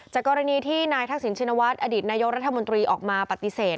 กรณีที่นายทักษิณชินวัฒน์อดีตนายกรัฐมนตรีออกมาปฏิเสธ